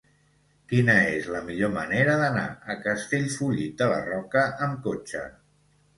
Quina és la millor manera d'anar a Castellfollit de la Roca amb cotxe?